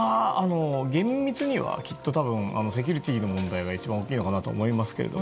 厳密には、きっとセキュリティーの問題が一番大きいのかなと思いますけど。